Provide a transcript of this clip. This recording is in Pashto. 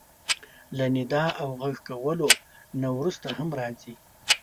له ندا او غږ کولو نه وروسته هم راځي.